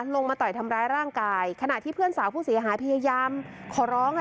มาต่อยทำร้ายร่างกายขณะที่เพื่อนสาวผู้เสียหายพยายามขอร้อง